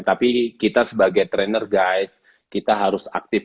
tapi kita sebagai trainer guys kita harus aktif